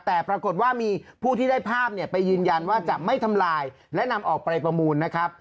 แต่ปรากฏว่ามีผู้ที่ได้ภาพเนี่ยไปยืนยันว่าจะไม่ทำลายและนำออกไปประมูลนะครับ